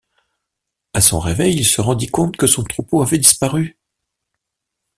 À son réveil il se rendit compte que son troupeau avait disparu.